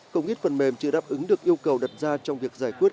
công nghịt phần mềm chưa đáp ứng được yêu cầu đặt ra trong việc giải quyết